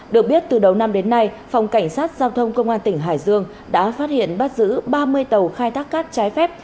được biết từ đầu năm đến nay phòng cảnh sát giao thông công an tỉnh hải dương đã phát hiện bắt giữ ba mươi tàu khai thác cát trái phép